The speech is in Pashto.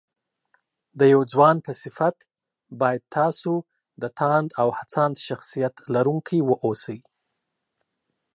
د يو ځوان په صفت بايد تاسو د تاند او هڅاند شخصيت لرونکي واوسئ